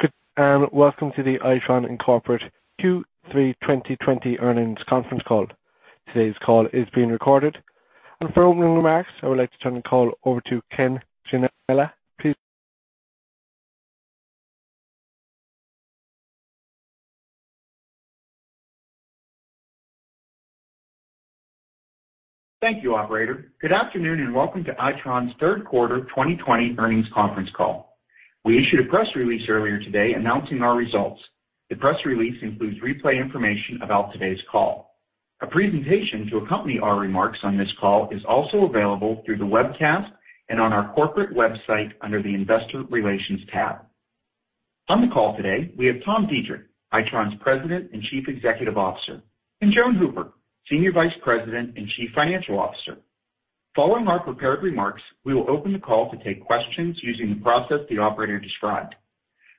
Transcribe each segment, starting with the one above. Good, and welcome to the Itron Incorporated Q3 2020 Earnings Conference Call. Today's call is being recorded. For opening remarks, I would like to turn the call over to Ken Gianella. Please begin. Thank you, Operator. Good afternoon, and welcome to Itron's Third Quarter 2020 Earnings Conference Call. We issued a press release earlier today announcing our results. The press release includes replay information about today's call. A presentation to accompany our remarks on this call is also available through the webcast and on our corporate website under the investor relations tab. On the call today, we have Tom Deitrich, Itron's President and Chief Executive Officer, and Joan Hooper, Senior Vice President and Chief Financial Officer. Following our prepared remarks, we will open the call to take questions using the process the operator described.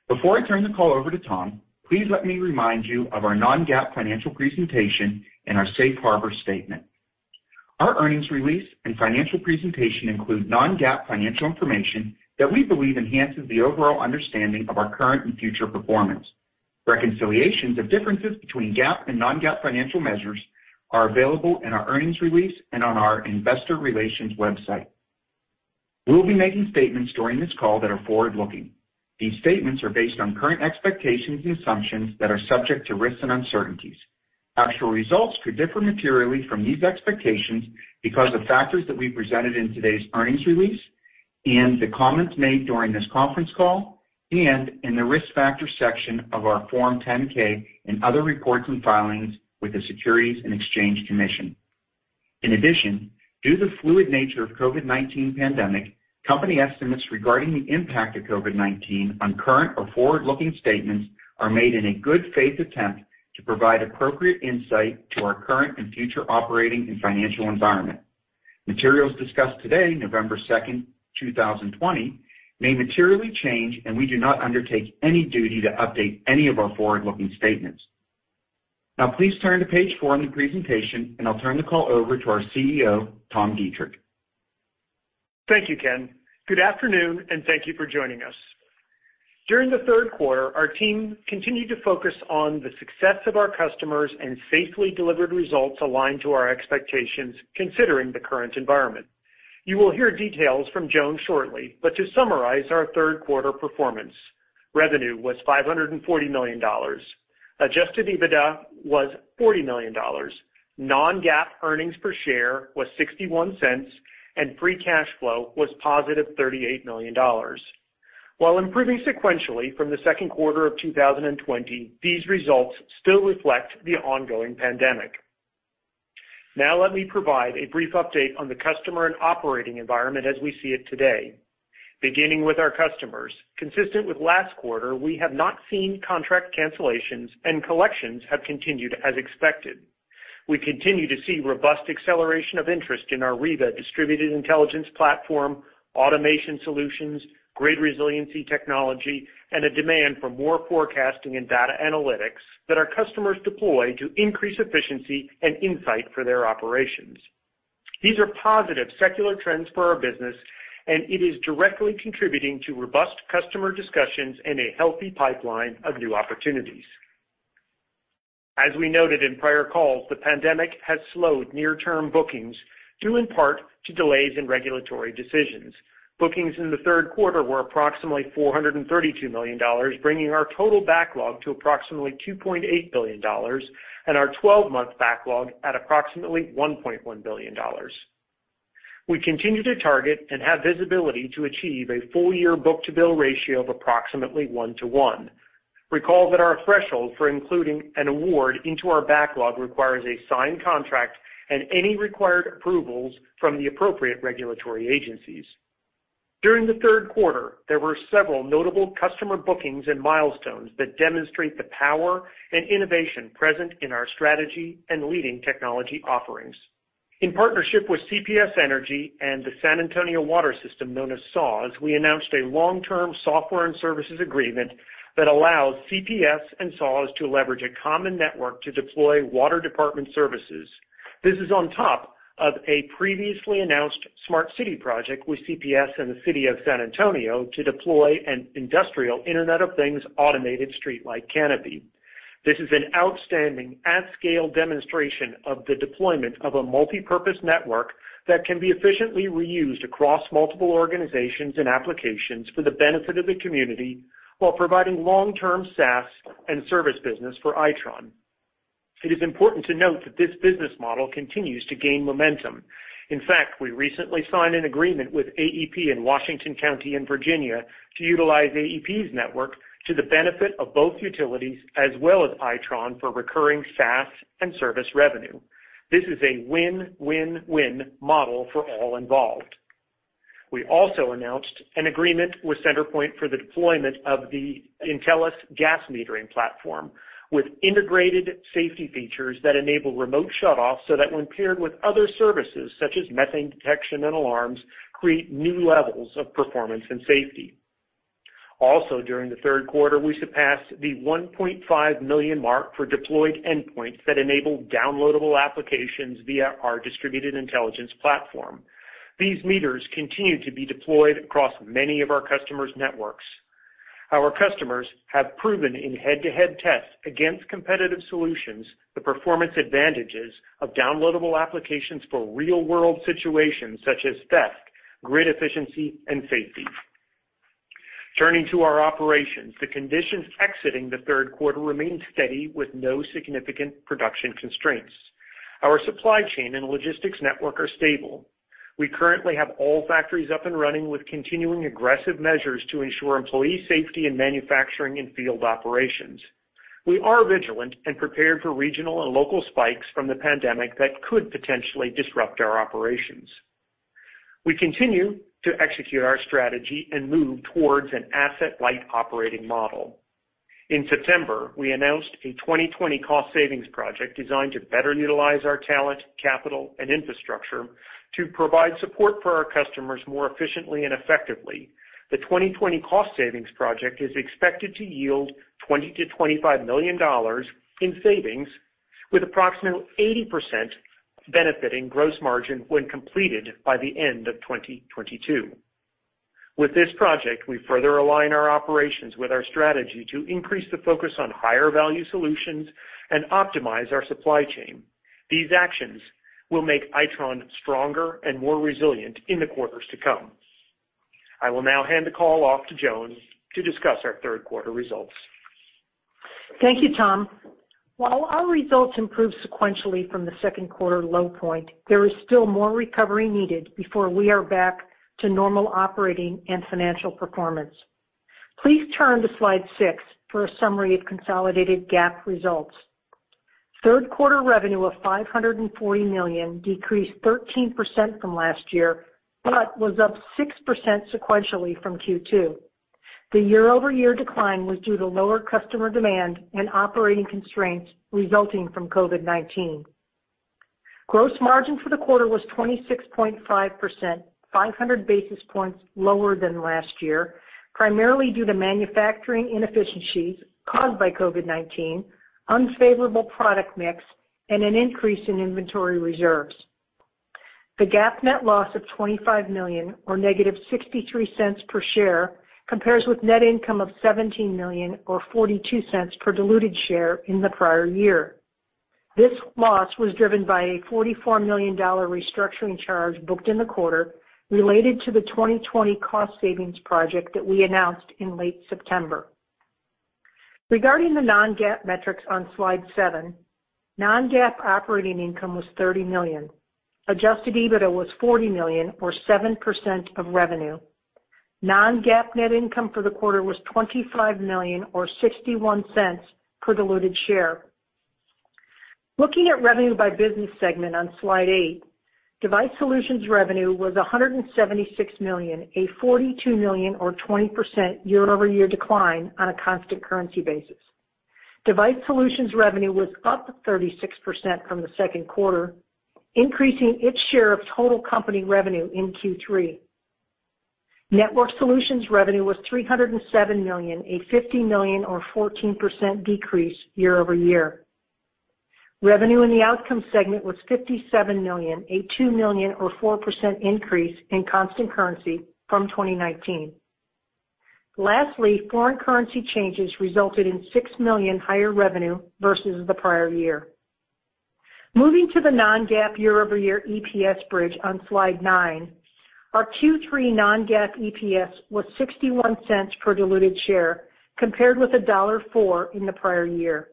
Before I turn the call over to Tom, please let me remind you of our non-GAAP financial presentation and our safe harbor statement. Our earnings release and financial presentation include non-GAAP financial information that we believe enhances the overall understanding of our current and future performance. Reconciliations of differences between GAAP and non-GAAP financial measures are available in our earnings release and on our investor relations website. We will be making statements during this call that are forward-looking. These statements are based on current expectations and assumptions that are subject to risks and uncertainties. Actual results could differ materially from these expectations because of factors that we presented in today's earnings release and the comments made during this conference call and in the risk factors section of our Form 10-K and other reports and filings with the Securities and Exchange Commission. In addition, due to the fluid nature of COVID-19 pandemic, company estimates regarding the impact of COVID-19 on current or forward-looking statements are made in a good faith attempt to provide appropriate insight to our current and future operating and financial environment. Materials discussed today, November 2nd, 2020, may materially change. We do not undertake any duty to update any of our forward-looking statements. Now, please turn to page four in the presentation. I'll turn the call over to our CEO, Tom Deitrich. Thank you, Ken. Good afternoon, and thank you for joining us. During the third quarter, our team continued to focus on the success of our customers and safely delivered results aligned to our expectations considering the current environment. You will hear details from Joan shortly, but to summarize our third quarter performance, revenue was $540 million. Adjusted EBITDA was $40 million. Non-GAAP earnings per share was $0.61, and free cash flow was positive $38 million. While improving sequentially from the second quarter of 2020, these results still reflect the ongoing pandemic. Now let me provide a brief update on the customer and operating environment as we see it today. Beginning with our customers. Consistent with last quarter, we have not seen contract cancellations, and collections have continued as expected. We continue to see robust acceleration of interest in our Riva distributed intelligence platform, automation solutions, grid resiliency technology, and a demand for more forecasting and data analytics that our customers deploy to increase efficiency and insight for their operations. These are positive secular trends for our business, and it is directly contributing to robust customer discussions and a healthy pipeline of new opportunities. As we noted in prior calls, the pandemic has slowed near-term bookings due in part to delays in regulatory decisions. Bookings in the third quarter were approximately $432 million, bringing our total backlog to approximately $2.8 billion and our 12-month backlog at approximately $1.1 billion. We continue to target and have visibility to achieve a full-year book-to-bill ratio of approximately one-to-one. Recall that our threshold for including an award into our backlog requires a signed contract and any required approvals from the appropriate regulatory agencies. During the third quarter, there were several notable customer bookings and milestones that demonstrate the power and innovation present in our strategy and leading technology offerings. In partnership with CPS Energy and the San Antonio Water System, known as SAWS, we announced a long-term software and services agreement that allows CPS and SAWS to leverage a common network to deploy water department services. This is on top of a previously announced smart city project with CPS and the City of San Antonio to deploy an industrial Internet of Things automated streetlight canopy. This is an outstanding at-scale demonstration of the deployment of a multipurpose network that can be efficiently reused across multiple organizations and applications for the benefit of the community while providing long-term SaaS and service business for Itron. It is important to note that this business model continues to gain momentum. We recently signed an agreement with AEP in Washington County in Virginia to utilize AEP's network to the benefit of both utilities as well as Itron for recurring SaaS and service revenue. This is a win-win-win model for all involved. We also announced an agreement with CenterPoint for the deployment of the Intelis gas metering platform, with integrated safety features that enable remote shutoffs so that when paired with other services such as methane detection and alarms, create new levels of performance and safety. Also during the third quarter, we surpassed the 1.5 million mark for deployed endpoints that enable downloadable applications via our distributed intelligence platform. These meters continue to be deployed across many of our customers' networks. Our customers have proven in head-to-head tests against competitive solutions the performance advantages of downloadable applications for real-world situations such as theft, grid efficiency, and safety. Turning to our operations, the conditions exiting the third quarter remain steady with no significant production constraints. Our supply chain and logistics network are stable. We currently have all factories up and running with continuing aggressive measures to ensure employee safety in manufacturing and field operations. We are vigilant and prepared for regional and local spikes from the pandemic that could potentially disrupt our operations. We continue to execute our strategy and move towards an asset-light operating model. In September, we announced a 2020 Cost Savings Project designed to better utilize our talent, capital, and infrastructure to provide support for our customers more efficiently and effectively. The 2020 Cost Savings Project is expected to yield $20 million-25 million in savings, with approximately 80% benefiting gross margin when completed by the end of 2022. With this project, we further align our operations with our strategy to increase the focus on higher-value solutions and optimize our supply chain. These actions will make Itron stronger and more resilient in the quarters to come. I will now hand the call off to Joan to discuss our third quarter results. Thank you, Tom. While our results improved sequentially from the second quarter low point, there is still more recovery needed before we are back to normal operating and financial performance. Please turn to slide six for a summary of consolidated GAAP results. Third quarter revenue of $540 million decreased 13% from last year, was up 6% sequentially from Q2. The year-over-year decline was due to lower customer demand and operating constraints resulting from COVID-19. Gross margin for the quarter was 26.5%, 500 basis points lower than last year, primarily due to manufacturing inefficiencies caused by COVID-19, unfavorable product mix, and an increase in inventory reserves. The GAAP net loss of $25 million, or negative 0.63 per share, compares with net income of $17 million, or 0.42 per diluted share in the prior year. This loss was driven by a $44 million restructuring charge booked in the quarter related to the 2020 cost savings project that we announced in late September. Regarding the non-GAAP metrics on slide seven, non-GAAP operating income was $30 million. Adjusted EBITDA was $40 million, or 7% of revenue. Non-GAAP net income for the quarter was $25 million, or 0.61 per diluted share. Looking at revenue by business segment on slide eight, Device Solutions revenue was $176 million, a 42 million, or 20% year-over-year decline on a constant currency basis. Device Solutions revenue was up 36% from the second quarter, increasing its share of total company revenue in Q3. Networked Solutions revenue was $307 million, a 50 million, or 14% decrease year-over-year. Revenue in the Outcomes segment was $57 million, a 2 million, or 4% increase in constant currency from 2019. Lastly, foreign currency changes resulted in $6 million higher revenue versus the prior year. Moving to the non-GAAP year-over-year EPS bridge on slide nine, our Q3 non-GAAP EPS was $0.61 per diluted share, compared with $1.04 in the prior year.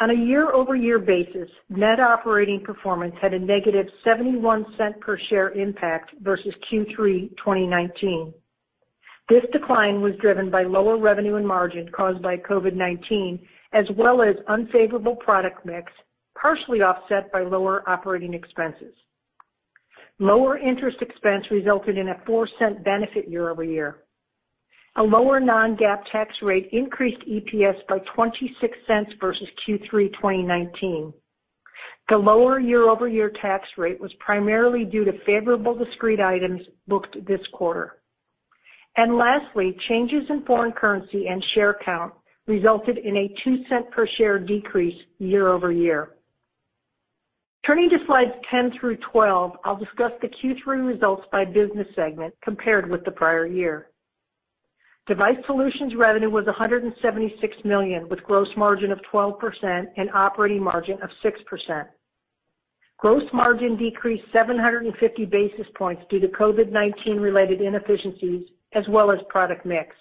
On a year-over-year basis, net operating performance had a negative $0.71 per share impact versus Q3 2019. This decline was driven by lower revenue and margin caused by COVID-19, as well as unfavorable product mix, partially offset by lower operating expenses. Lower interest expense resulted in a $0.04 benefit year over year. A lower non-GAAP tax rate increased EPS by $0.26 versus Q3 2019. The lower year-over-year tax rate was primarily due to favorable discrete items booked this quarter. Lastly, changes in foreign currency and share count resulted in a $0.02 per share decrease year-over-year. Turning to slides 10 through 12, I'll discuss the Q3 results by business segment compared with the prior year. Device Solutions revenue was $176 million, with gross margin of 12% and operating margin of 6%. Gross margin decreased 750 basis points due to COVID-19 related inefficiencies as well as product mix.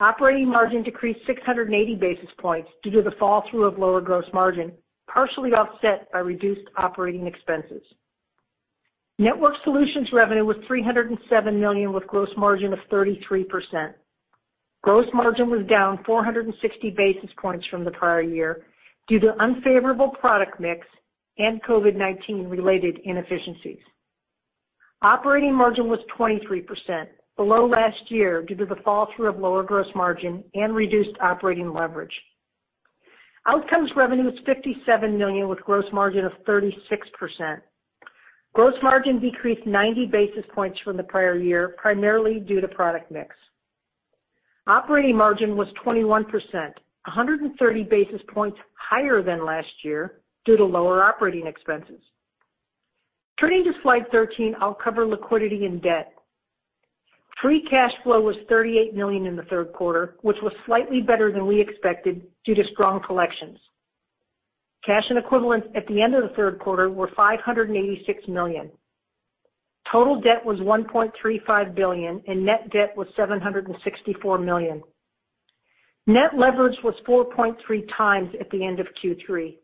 Operating margin decreased 680 basis points due to the fall through of lower gross margin, partially offset by reduced operating expenses. Networked Solutions revenue was $307 million, with gross margin of 33%. Gross margin was down 460 basis points from the prior year due to unfavorable product mix and COVID-19 related inefficiencies. Operating margin was 23%, below last year due to the fall through of lower gross margin and reduced operating leverage. Outcomes revenue was $57 million, with gross margin of 36%. Gross margin decreased 90 basis points from the prior year, primarily due to product mix. Operating margin was 21%, 130 basis points higher than last year due to lower operating expenses. Turning to slide 13, I'll cover liquidity and debt. Free cash flow was $38 million in the third quarter, which was slightly better than we expected due to strong collections. Cash and equivalents at the end of the third quarter were $586 million. Total debt was $1.35 billion, and net debt was $764 million. Net leverage was 4.3x at the end of Q3.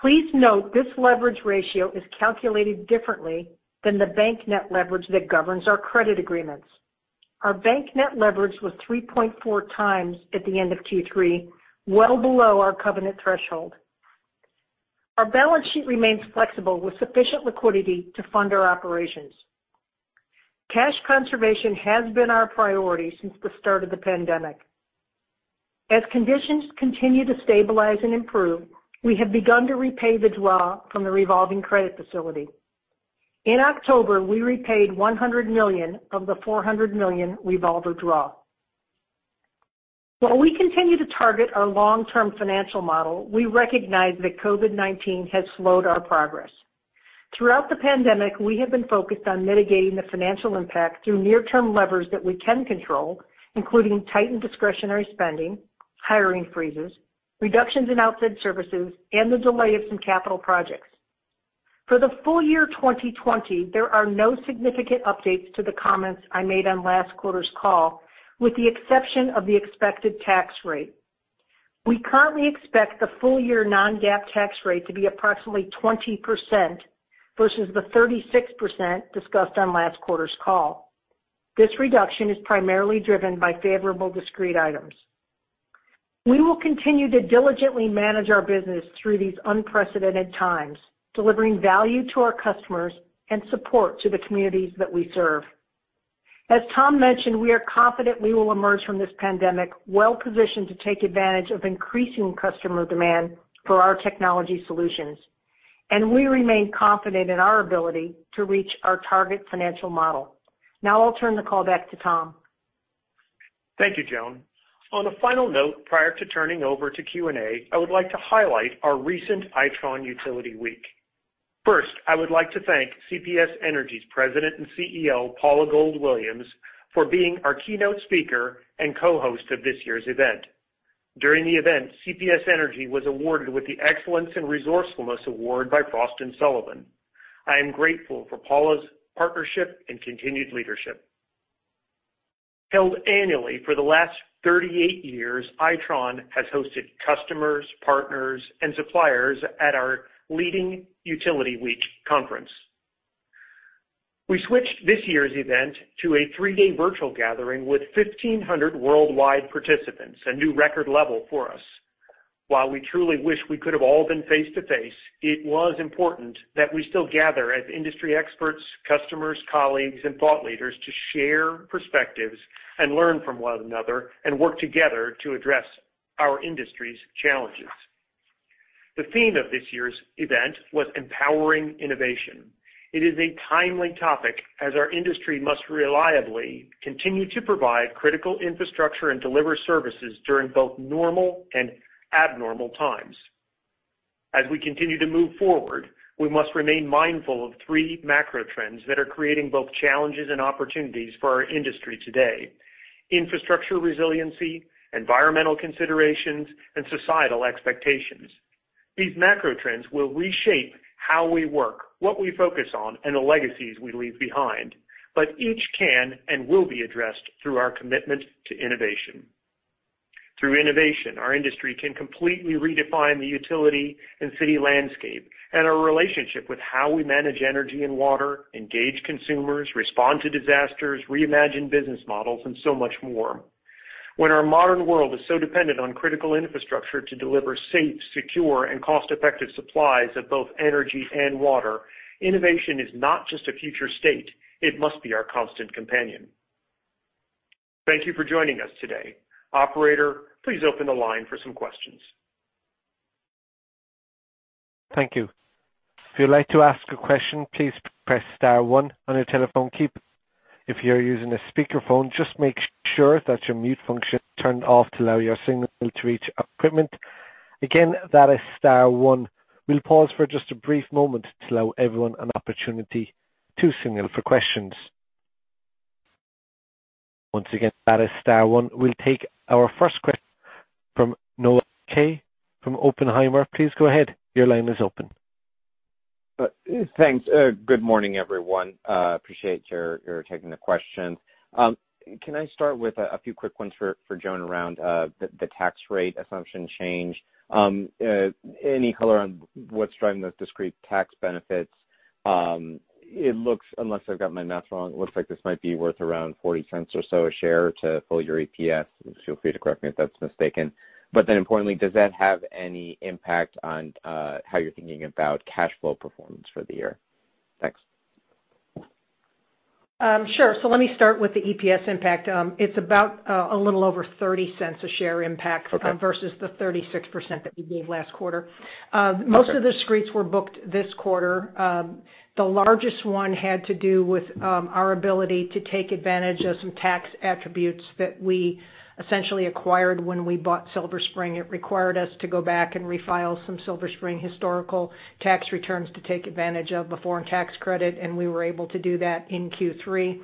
Please note this leverage ratio is calculated differently than the bank net leverage that governs our credit agreements. Our bank net leverage was 3.4x at the end of Q3, well below our covenant threshold. Our balance sheet remains flexible, with sufficient liquidity to fund our operations. Cash conservation has been our priority since the start of the pandemic. As conditions continue to stabilize and improve, we have begun to repay the draw from the revolving credit facility. In October, we repaid $100 million of the 400 million revolver draw. While we continue to target our long-term financial model, we recognize that COVID-19 has slowed our progress. Throughout the pandemic, we have been focused on mitigating the financial impact through near-term levers that we can control, including tightened discretionary spending, hiring freezes, reductions in outside services, and the delay of some capital projects. For the full year 2020, there are no significant updates to the comments I made on last quarter's call, with the exception of the expected tax rate. We currently expect the full-year non-GAAP tax rate to be approximately 20% versus the 36% discussed on last quarter's call. This reduction is primarily driven by favorable discrete items. We will continue to diligently manage our business through these unprecedented times, delivering value to our customers and support to the communities that we serve. As Tom mentioned, we are confident we will emerge from this pandemic well-positioned to take advantage of increasing customer demand for our technology solutions, and we remain confident in our ability to reach our target financial model. Now I'll turn the call back to Tom. Thank you, Joan. On a final note, prior to turning over to Q&A, I would like to highlight our recent Itron Utility Week. First, I would like to thank CPS Energy's President and CEO, Paula Gold-Williams, for being our keynote speaker and co-host of this year's event. During the event, CPS Energy was awarded with the Excellence in Resourcefulness Award by Frost & Sullivan. I am grateful for Paula's partnership and continued leadership. Held annually for the last 38 years, Itron has hosted customers, partners, and suppliers at our leading Utility Week conference. We switched this year's event to a three-day virtual gathering with 1,500 worldwide participants, a new record level for us. While we truly wish we could have all been face to face, it was important that we still gather as industry experts, customers, colleagues, and thought leaders to share perspectives and learn from one another and work together to address our industry's challenges. The theme of this year's event was Empowering Innovation. It is a timely topic as our industry must reliably continue to provide critical infrastructure and deliver services during both normal and abnormal times. As we continue to move forward, we must remain mindful of three macro trends that are creating both challenges and opportunities for our industry today: infrastructure resiliency, environmental considerations, and societal expectations. These macrotrends will reshape how we work, what we focus on, and the legacies we leave behind, but each can and will be addressed through our commitment to innovation. Through innovation, our industry can completely redefine the utility and city landscape and our relationship with how we manage energy and water, engage consumers, respond to disasters, reimagine business models, and so much more. When our modern world is so dependent on critical infrastructure to deliver safe, secure, and cost-effective supplies of both energy and water, innovation is not just a future state, it must be our constant companion. Thank you for joining us today. Operator, please open the line for some questions. Thank you. If you'd like to ask a question, please press star one on your telephone keypad. If you're using a speakerphone, just make sure that your mute function is turned off to allow your signal to reach our equipment. Again, that is star one. We'll pause for just a brief moment to allow everyone an opportunity to signal for questions. Once again, that is star one. We'll take our first question from Noah Kaye from Oppenheimer. Please go ahead. Your line is open. Thanks. Good morning, everyone. Appreciate your taking the questions. Can I start with a few quick ones for Joan around the tax rate assumption change? Any color on what's driving those discrete tax benefits? It looks, unless I've got my math wrong, it looks like this might be worth around $0.40 or so a share to pull your EPS. Feel free to correct me if that's mistaken. But importantly, does that have any impact on how you're thinking about cash flow performance for the year? Thanks. Sure. Let me start with the EPS impact. It's about a little over $0.30 a share impact. Okay. Versus the 36% that we gave last quarter. Okay. Most of the discretes were booked this quarter. The largest one had to do with our ability to take advantage of some tax attributes that we essentially acquired when we bought Silver Spring. It required us to go back and refile some Silver Spring historical tax returns to take advantage of the foreign tax credit, and we were able to do that in Q3.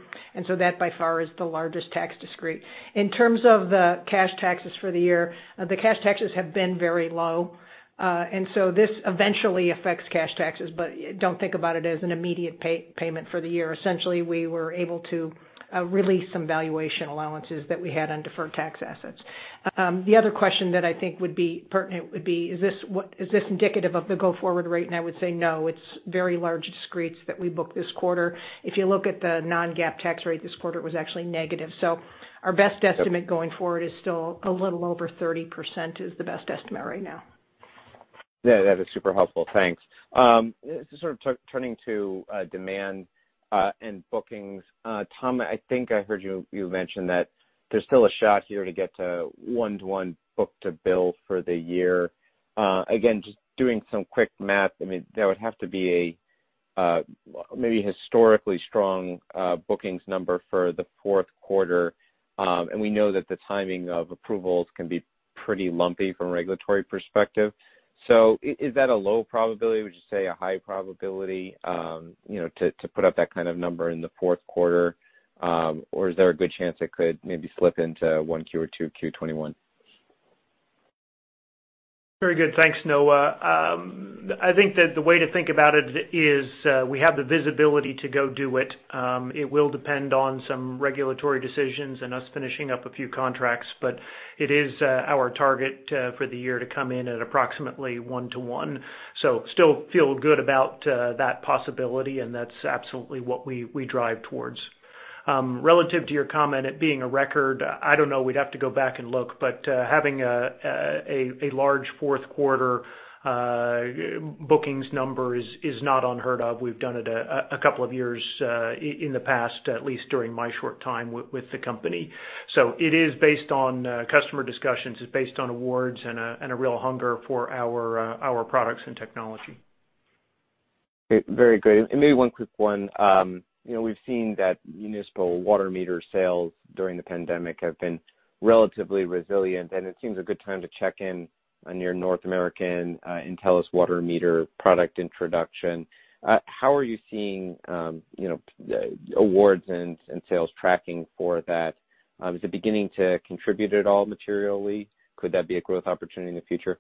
That, by far, is the largest tax discrete. In terms of the cash taxes for the year, the cash taxes have been very low. And so, this eventually affects cash taxes, but don't think about it as an immediate payment for the year. Essentially, we were able to release some valuation allowances that we had on deferred tax assets. The other question that I think would be pertinent would be, is this indicative of the go-forward rate? I would say no. It's very large discretes that we booked this quarter. If you look at the non-GAAP tax rate this quarter, it was actually negative. Our best estimate going forward is still a little over 30% is the best estimate right now. Yeah, that is super helpful. Thanks. Sort of turning to demand and bookings. Tom, I think I heard you mention that there's still a shot here to get to one-to-one, book-to-bill for the year. Just doing some quick math, that would have to be a maybe historically strong bookings number for the fourth quarter. And we know that the timing of approvals can be pretty lumpy from a regulatory perspective. Is that a low probability? Would you say a high probability to put up that kind of number in the fourth quarter? Or is there a good chance it could maybe slip into 1Q or Q2 2021? Very good. Thanks, Noah. I think that the way to think about it is we have the visibility to go do it. It will depend on some regulatory decisions and us finishing up a few contracts, it is our target for the year to come in at approximately one-to-one. Still feel good about that possibility, that's absolutely what we drive towards. Relative to your comment, it being a record, I don't know. We'd have to go back and look, having a large fourth quarter bookings number is not unheard of. We've done it a couple of years in the past, at least during my short time with the company. It is based on customer discussions, it's based on awards and a real hunger for our products and technology. Very good. Maybe one quick one. We've seen that municipal water meter sales during the pandemic have been relatively resilient, and it seems a good time to check in on your North American Intelis water meter product introduction. How are you seeing awards and sales tracking for that? Is it beginning to contribute at all materially? Could that be a growth opportunity in the future?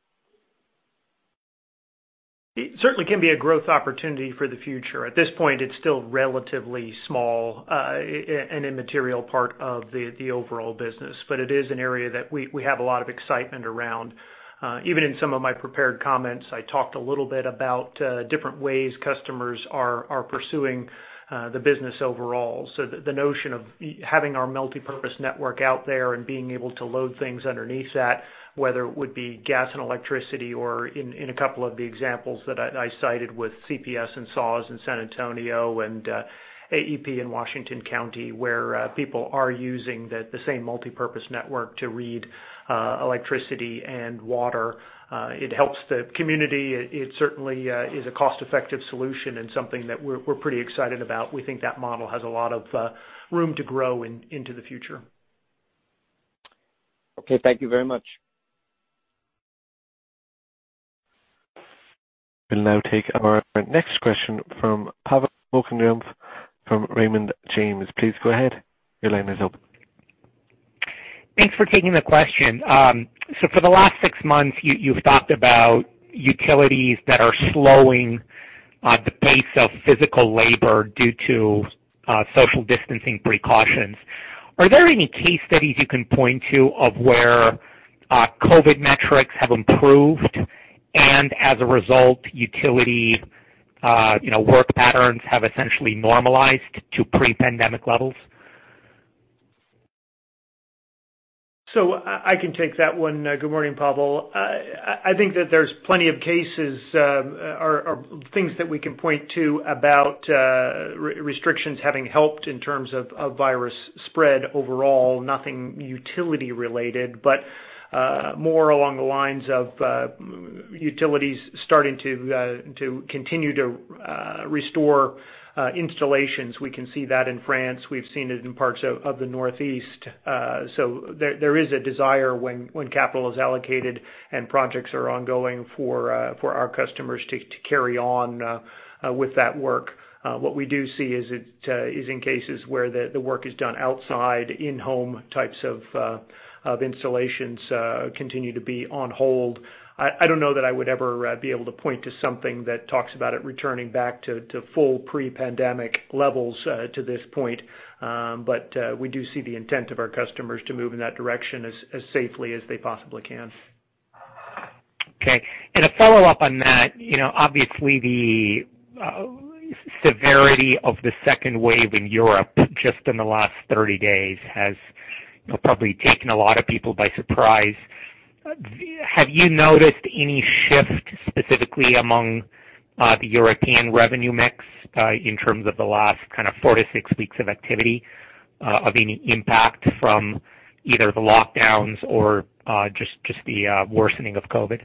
It certainly can be a growth opportunity for the future. At this point, it's still relatively small and immaterial part of the overall business. It is an area that we have a lot of excitement around. Even in some of my prepared comments, I talked a little bit about different ways customers are pursuing the business overall. So the notion of having our multipurpose network out there and being able to load things underneath that, whether it would be gas and electricity or in a couple of the examples that I cited with CPS and SAWS in San Antonio and AEP in Washington County, where people are using the same multipurpose network to read electricity and water. It helps the community. It certainly is a cost-effective solution and something that we're pretty excited about. We think that model has a lot of room to grow into the future. Okay, thank you very much. We'll now take our next question from Pavel Molchanov from Raymond James. Please go ahead. Your line is open. Thanks for taking the question. For the last six months, you've talked about utilities that are slowing the pace of physical labor due to social distancing precautions. Are there any case studies you can point to of where COVID metrics have improved and as a result, utility work patterns have essentially normalized to pre-pandemic levels? I can take that one. Good morning, Pavel. I think that there's plenty of cases or things that we can point to about restrictions having helped in terms of virus spread overall, nothing utility-related, but more along the lines of utilities starting to continue to restore installations. We can see that in France. We've seen it in parts of the Northeast. There is a desire when capital is allocated and projects are ongoing for our customers to carry on with that work. What we do see is in cases where the work is done outside in-home types of installations continue to be on hold. I don't know that I would ever be able to point to something that talks about it returning back to full pre-pandemic levels to this point. But we do see the intent of our customers to move in that direction as safely as they possibly can. Okay. A follow-up on that. Obviously, the severity of the second wave in Europe just in the last 30 days has probably taken a lot of people by surprise. Have you noticed any shift specifically among the European revenue mix in terms of the last kind of four to six weeks of activity of any impact from either the lockdowns or just the worsening of COVID?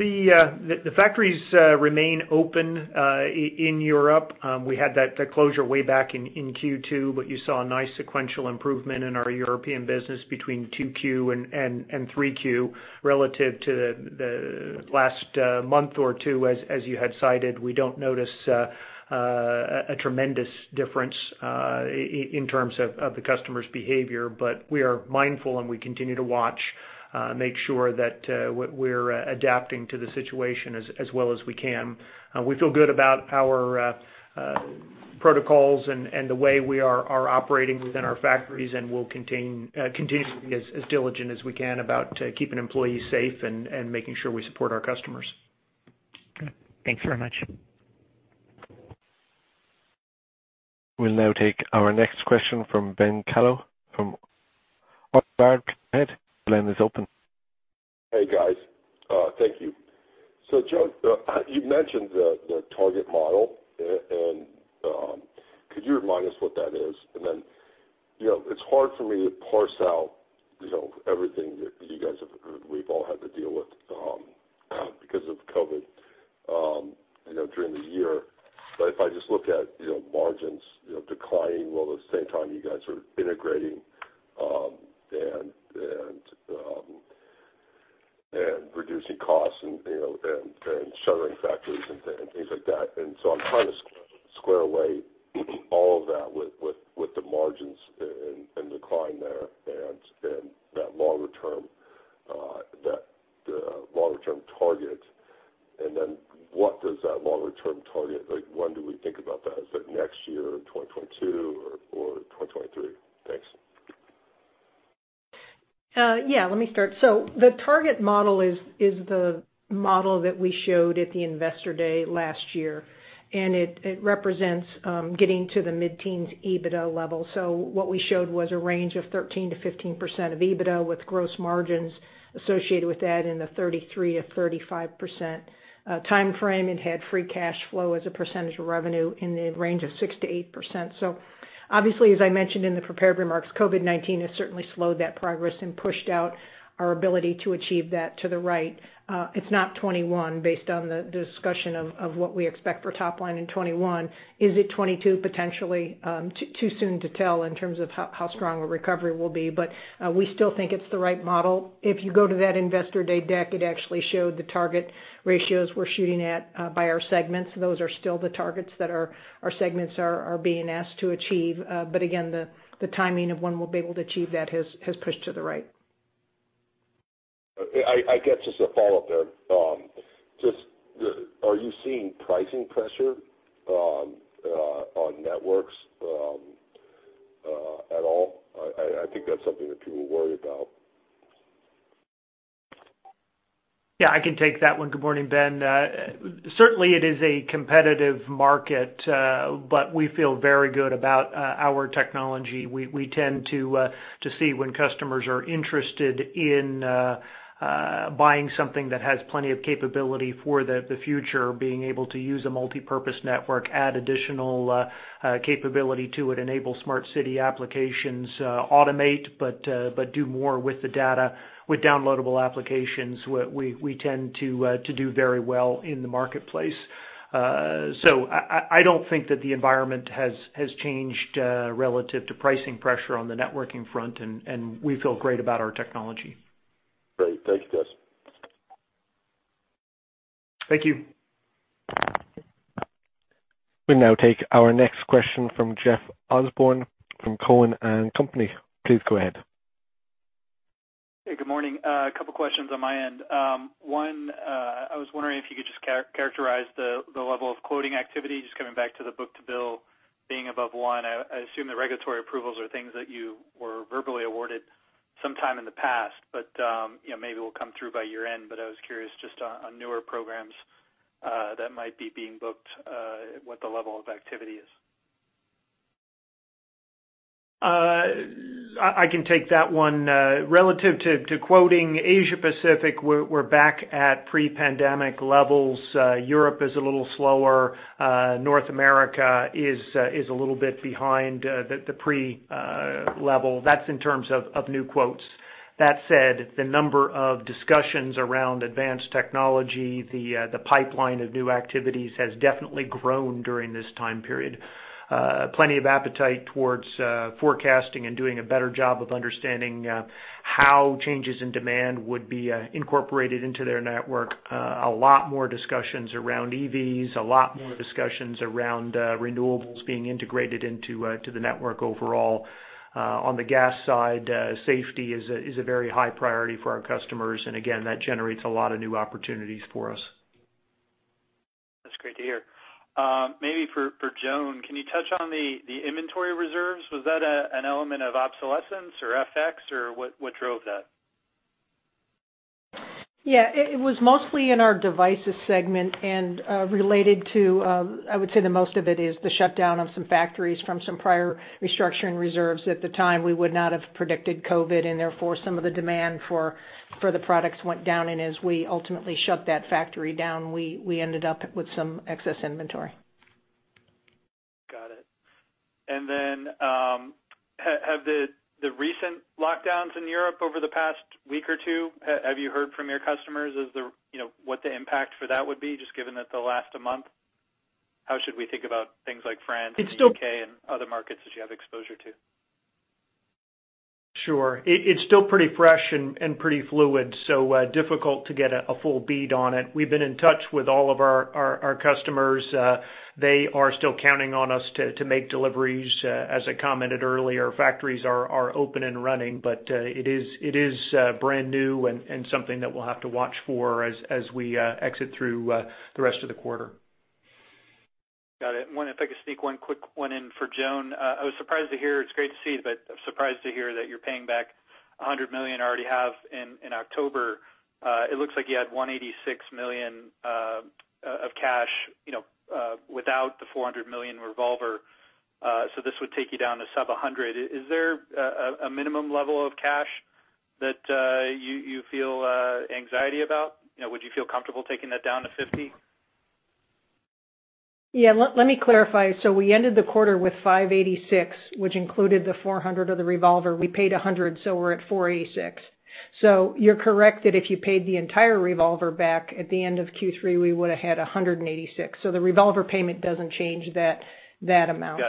The factories remain open in Europe. We had that closure way back in Q2. You saw a nice sequential improvement in our European business between 2Q and 3Q relative to the last month or two as you had cited. We don't notice a tremendous difference in terms of the customer's behavior. We are mindful, and we continue to watch, make sure that we're adapting to the situation as well as we can. We feel good about our protocols and the way we are operating within our factories, and we'll continue to be as diligent as we can about keeping employees safe and making sure we support our customers. Okay. Thanks very much. We'll now take our next question from Ben Kallo from Baird. Go ahead. Your line is open. Hey, guys. Thank you. So, Joan, you mentioned the target model, and could you remind us what that is? It's hard for me to parse out everything that we've all had to deal with because of COVID during the year. If I just look at margins declining while at the same time you guys are integrating and reducing costs and shuttering factories and things like that. I'm trying to square away all of that with the margins and decline there and that longer-term target. What does that longer-term target, like, when do we think about that? Is it next year or 2022 or 2023? Thanks. Yeah. Let me start. The target model is the model that we showed at the Investor Day last year, and it represents getting to the mid-teens EBITDA level. What we showed was a range of 13%-15% of EBITDA with gross margins associated with that in the 33%-35% timeframe. It had free cash flow as a percentage of revenue in the range of 6%-8%. Obviously, as I mentioned in the prepared remarks, COVID-19 has certainly slowed that progress and pushed out our ability to achieve that to the right. It's not 2021 based on the discussion of what we expect for top line in 2021. Is it 2022 potentially? Too soon to tell in terms of how strong a recovery will be. We still think it's the right model. If you go to that Investor Day deck, it actually showed the target ratios we're shooting at by our segments. Those are still the targets that our segments are being asked to achieve. But again, the timing of when we'll be able to achieve that has pushed to the right. I get you. Just a follow-up there. Just are you seeing pricing pressure on networks at all? I think that's something that people worry about. Yeah, I can take that one. Good morning, Ben. Certainly it is a competitive market. We feel very good about our technology. We tend to see when customers are interested in buying something that has plenty of capability for the future, being able to use a multipurpose network, add additional capability to it, enable smart city applications, automate, but do more with the data, with downloadable applications. We tend to do very well in the marketplace. I don't think that the environment has changed relative to pricing pressure on the networking front, and we feel great about our technology. Great. Thank you, guys. Thank you. We'll now take our next question from Jeff Osborne from Cowen and Company. Please go ahead. Hey, good morning. A couple of questions on my end. One, I was wondering if you could just characterize the level of quoting activity, just coming back to the book-to-bill being above one. I assume the regulatory approvals are things that you were verbally awarded sometime in the past, but maybe will come through by year-end, but I was curious just on newer programs that might be being booked, what the level of activity is. I can take that one. Relative to quoting Asia Pacific, we're back at pre-pandemic levels. Europe is a little slower. North America is a little bit behind the pre level. That's in terms of new quotes. That said, the number of discussions around advanced technology, the pipeline of new activities has definitely grown during this time period. Plenty of appetite towards forecasting and doing a better job of understanding how changes in demand would be incorporated into their network. A lot more discussions around EVs, a lot more discussions around renewables being integrated into the network overall. On the gas side, safety is a very high priority for our customers, and again, that generates a lot of new opportunities for us. That's great to hear. Maybe for Joan, can you touch on the inventory reserves? Was that an element of obsolescence or FX, or what drove that? Yeah. It was mostly in our Device Solutions segment and related to, I would say the most of it is the shutdown of some factories from some prior restructuring reserves. At the time, we would not have predicted COVID-19, and therefore, some of the demand for the products went down, and as we ultimately shut that factory down, we ended up with some excess inventory. Got it. Have the recent lockdowns in Europe over the past week or two, have you heard from your customers? What the impact for that would be, just given that they last a month, how should we think about things like France and the U.K. and other markets that you have exposure to? Sure. It's still pretty fresh and pretty fluid, difficult to get a full bead on it. We've been in touch with all of our customers. They are still counting on us to make deliveries. As I commented earlier, factories are open and running, it is brand new and something that we'll have to watch for as we exit through the rest of the quarter. Got it. If I could sneak one quick one in for Joan. I was surprised to hear that you're paying back $100 million you already have in October. It looks like you had $186 million of cash, without the $400 million revolver. This would take you down to sub-$100 million. Is there a minimum level of cash that you feel anxiety about? Would you feel comfortable taking that down to $50? Yeah, let me clarify. We ended the quarter with $586, which included the $400 of the revolver. We paid $100, so we're at $486. you're correct that if you paid the entire revolver back at the end of Q3, we would've had $186. The revolver payment doesn't change that amount.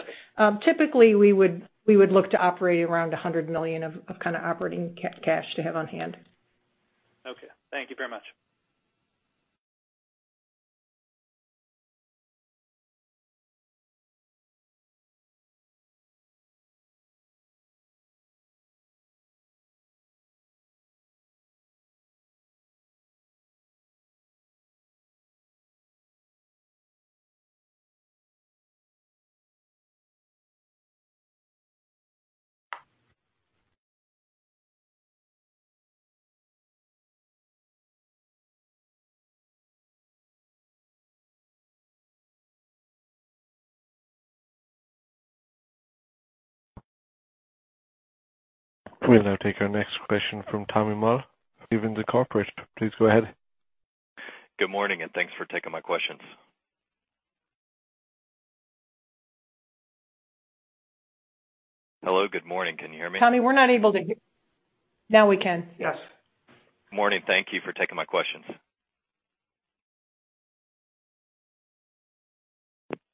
Got it. Typically, we would look to operate around $100 million of kind of operating cash to have on hand. Okay. Thank you very much. We'll now take our next question from Tommy Moll, Stephens, Incorporated. Please go ahead. Good morning, and thanks for taking my questions. Hello, good morning. Can you hear me? Tommy, we're not able to hear, now we can. Yes. Morning. Thank you for taking my questions.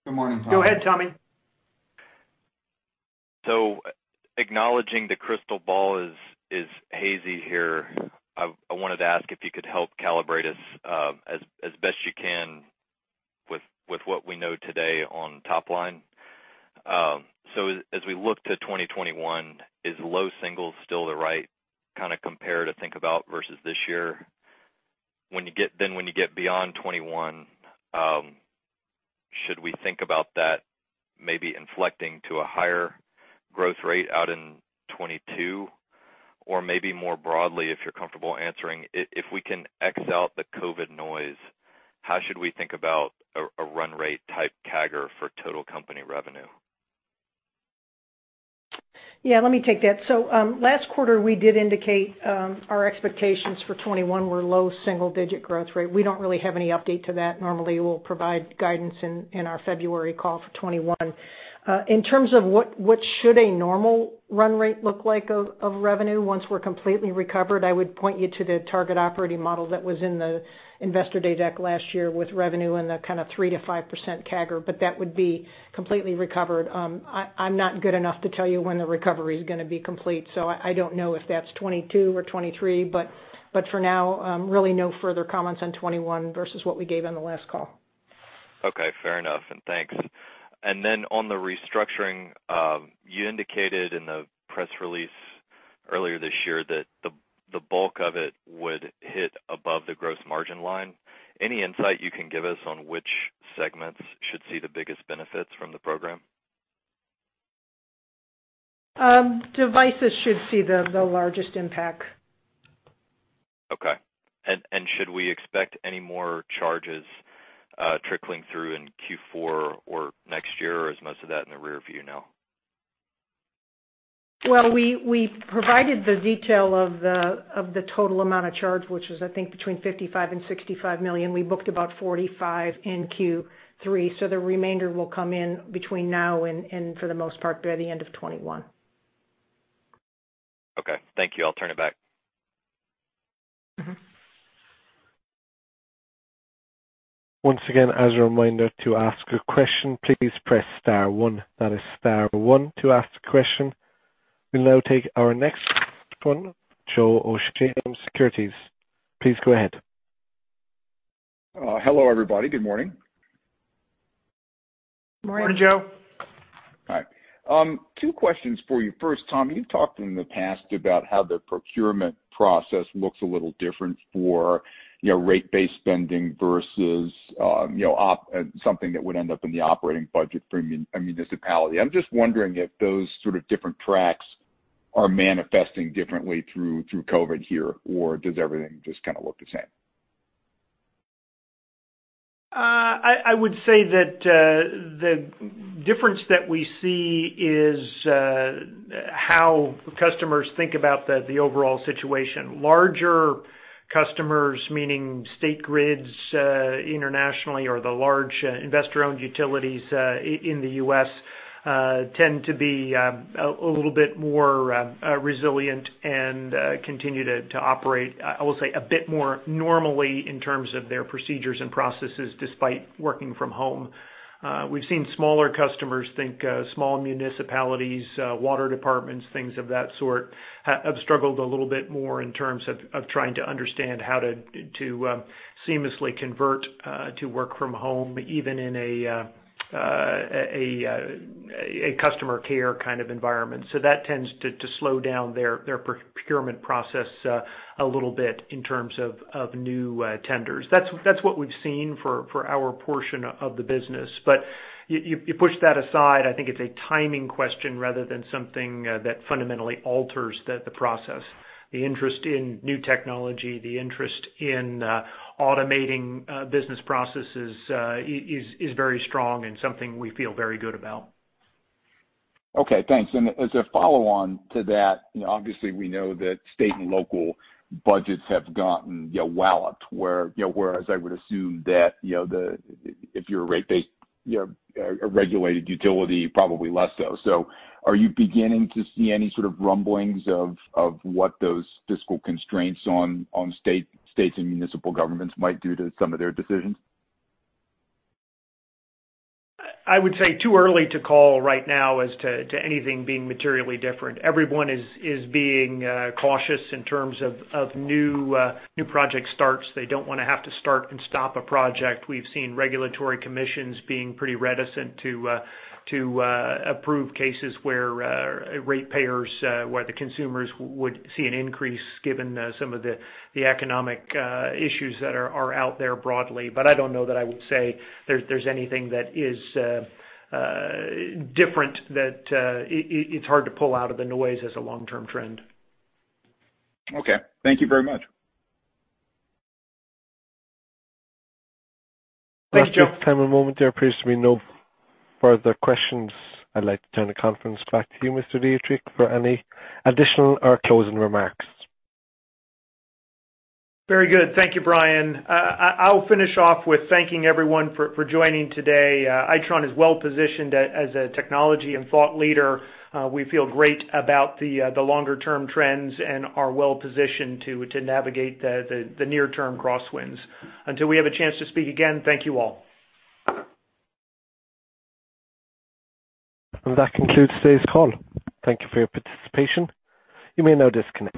Good morning, Tommy. Go ahead, Tommy. So, acknowledging the crystal ball is hazy here. I wanted to ask if you could help calibrate us, as best you can with what we know today on top line. As we look to 2021, is low single still the right kind of compare to think about versus this year? When you get beyond 2021, should we think about that maybe inflecting to a higher growth rate out in 2022? Maybe more broadly, if you're comfortable answering, if we can X out the COVID noise, how should we think about a run rate type CAGR for total company revenue? Yeah, let me take that. So, last quarter, we did indicate our expectations for 2021 were low single digit growth rate. We don't really have any update to that. Normally, we'll provide guidance in our February call for 2021. In terms of what should a normal run rate look like of revenue once we're completely recovered, I would point you to the target operating model that was in the Investor Day deck last year with revenue and the kind of 3%-5% CAGR, but that would be completely recovered. I'm not good enough to tell you when the recovery's going to be complete, so I don't know if that's 2022 or 2023. But for now, really no further comments on 2021 versus what we gave on the last call. Okay, fair enough, and thanks. Then on the restructuring, you indicated in the press release earlier this year that the bulk of it would hit above the gross margin line. Any insight you can give us on which segments should see the biggest benefits from the program? Devices should see the largest impact. Okay. Should we expect any more charges trickling through in Q4 or next year? Is most of that in the rear view now? Well, we provided the detail of the total amount of charge, which was, I think, between $55 million-65 million. We booked about $45 in Q3, so the remainder will come in between now and, for the most part, by the end of 2021. Okay. Thank you. I'll turn it back. Once again, as a reminder, to ask a question, please press star one. That is star one to ask the question. We'll now take our next one, Joe Osha, JMP Securities. Please go ahead. Hello, everybody. Good morning. Morning. Morning, Joe. Hi. Two questions for you. First, Tom, you've talked in the past about how the procurement process looks a little different for rate base spending versus something that would end up in the operating budget for a municipality. I'm just wondering if those sort of different tracks are manifesting differently through COVID here, or does everything just kind of look the same? I would say that the difference that we see is how customers think about the overall situation. Larger customers, meaning state grids internationally or the large investor-owned utilities in the U.S. tend to be a little bit more resilient and continue to operate, I will say, a bit more normally in terms of their procedures and processes despite working from home. We've seen smaller customers, think small municipalities, water departments, things of that sort, have struggled a little bit more in terms of trying to understand how to seamlessly convert to work from home, even in a customer care kind of environment. So that tends to slow down their procurement process a little bit in terms of new tenders. That's what we've seen for our portion of the business. But you push that aside, I think it's a timing question rather than something that fundamentally alters the process. The interest in new technology, the interest in automating business processes, is very strong and something we feel very good about. Okay, thanks. As a follow-on to that, obviously we know that state and local budgets have gotten walloped, whereas I would assume that if you're a regulated utility, probably less, so, are you beginning to see any sort of rumblings of what those fiscal constraints on states and municipal governments might do to some of their decisions? I would say too early to call right now as to anything being materially different. Everyone is being cautious in terms of new project starts. They don't want to have to start and stop a project. We've seen regulatory commissions being pretty reticent to approve cases where ratepayers, where the consumers would see an increase given some of the economic issues that are out there broadly. But I don't know that I would say there's anything that is different, that it's hard to pull out of the noise as a long-term trend. Okay. Thank you very much. Thanks, Joe. Have a moment there. Appears to be no further questions. I'd like to turn the conference back to you, Mr. Deitrich, for any additional or closing remarks. Very good. Thank you, Brian. I'll finish off with thanking everyone for joining today. Itron is well-positioned as a technology and thought leader. We feel great about the longer-term trends and are well-positioned to navigate the near-term crosswinds. Until we have a chance to speak again, thank you all. That concludes today's call. Thank you for your participation. You may now disconnect.